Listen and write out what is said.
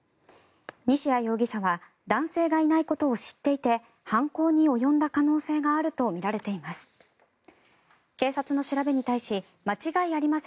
西谷容疑者は男性がいないことを知っていて犯行に及んだ可能性があるとみられています。